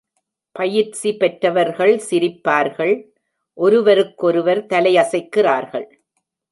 பயிற்சி பெற்றவர்கள் சிரிப்பார்கள், ஒருவருக்கொருவர் தலையசைக்கிறார்கள்.